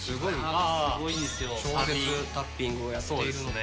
壮絶タッピングをやってるので。